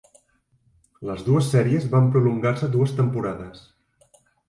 Les dues sèries van prolongar-se dues temporades.